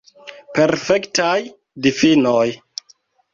Perfektaj difinoj.